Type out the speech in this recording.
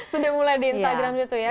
sudah mulai di instagram gitu ya